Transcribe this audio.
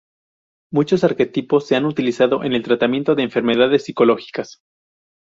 Muchos arquetipos se han utilizado en el tratamiento de enfermedades psicológicas.